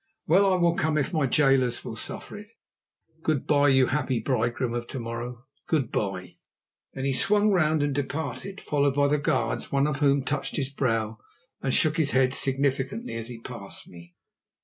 Well, I will come, if my gaolers will suffer it. Good bye, you happy bridegroom of to morrow, good bye." Then he swung round and departed, followed by the guards, one of whom touched his brow and shook his head significantly as he passed me.